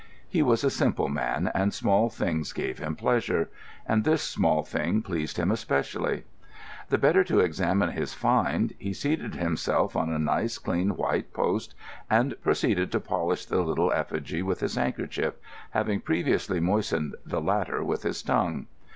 He was a simple man, and small things gave him pleasure; and this small thing pleased him especially. The better to examine his find, he seated himself on a nice, clean white post and proceeded to polish the little effigy with his handkerchief, having previously moistened the latter with his tongue.